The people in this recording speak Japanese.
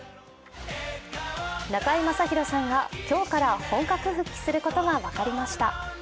中居正広が今日から本格復帰することが分かりました。